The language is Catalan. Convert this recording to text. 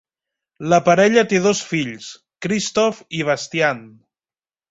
La parella té dos fills, Christoph i Bastian.